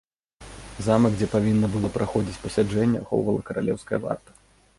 Замак, дзе павінна было праходзіць пасяджэнне, ахоўвала каралеўская варта.